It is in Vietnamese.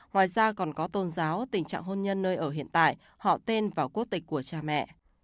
ngoài ra còn có tôn giáo tình trạng hôn nhân nơi ở hiện tại họ tên và quốc tịch của cha mẹ